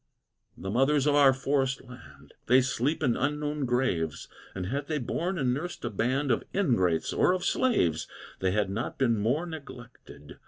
The Mothers of our Forest Land! They sleep in unknown graves: And had they borne and nursed a band Of ingrates, or of slaves, They had not been more neglected!